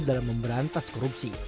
dalam memberantas korupsi